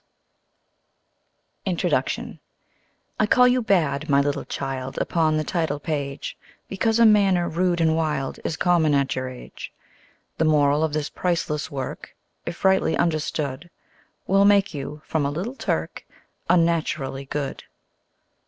INTRODUCTION I CALL you bad, my little child, Upon the title page, Because a manner rude and wild Is common at your age. The Moral of this priceless work (If rightly understood) Will make you from a little Turk Unnaturally good.